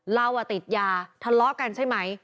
เราติดยาทะเลาะกันใช่ไหม